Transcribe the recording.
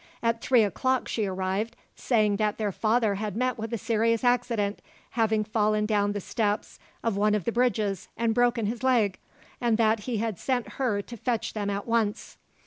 At three o'clock she arrived, saying that their father had met with a serious accident, having fallen down the steps of one of the bridges and broken his leg, and that he had sent her to fetch them at once.